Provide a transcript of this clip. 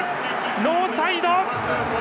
ノーサイド！